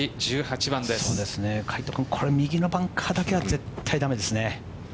君、右のバンカーだけは絶対だめですね。